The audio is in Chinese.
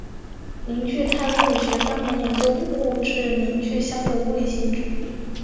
凝聚态物理学专门研究物质凝聚相的物理性质。